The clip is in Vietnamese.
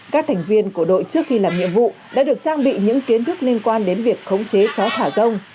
các thành viên của đội trước khi làm nhiệm vụ đã được trang bị những kiến thức liên quan đến việc khống chế chó thả rông